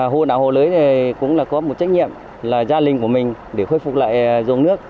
hồ đảo hồ lới cũng có một trách nhiệm là gia đình của mình để khôi phục lại dùng nước